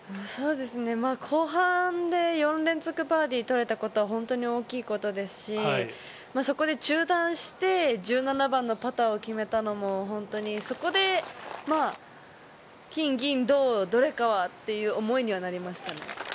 後半で４連続バーディーを取れたことは本当に大きいことですし、そこで中断して、１７番のパターを決めたのも、そこで金、銀、銅、どれかはという思いにはなりましたね。